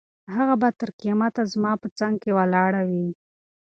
هغه به تر قیامته زما په څنګ کې ولاړه وي.